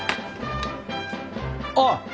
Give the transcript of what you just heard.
あっ！